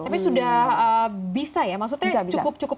tapi sudah bisa ya maksudnya cukup cukup